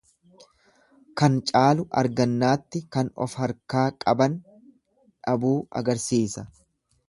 Kan caalu argannaatti kan of harkaa qaban dhabuu agarsiisa.